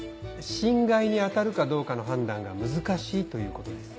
侵害に当たるかどうかの判断が難しいということです。